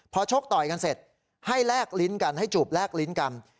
พอชกต่อยกันเสร็จให้แลกลิ้นกันให้จูบแลกลิ้นกัน